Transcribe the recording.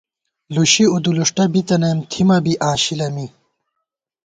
لُشی اُودُولُݭٹہ بی تنیم، تھِمہ بی اِشِلہ می